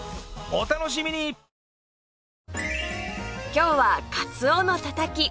今日はかつおのたたき